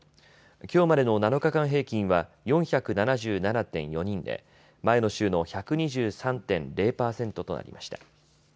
きょうまでの７日間平均は４７７．４人で前の週の１２３．０％となりました。